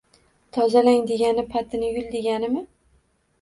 Tozalang degani, patini yul, deganimi